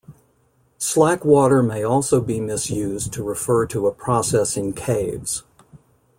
Slack water may also be misused to refer to a process in caves.